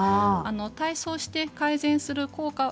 体操して改善する効果